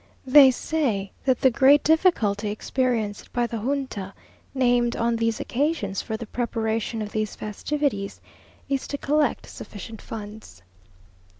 They say that the great difficulty experienced by the Junta, named on these occasions for the preparation of these festivities, is to collect sufficient funds.